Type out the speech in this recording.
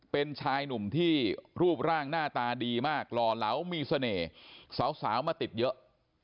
เป็นชายหนุ่มที่รูปร่างหน้าตาดีมากหล่อเหลามีเสน่ห์สาวมาติดเยอะ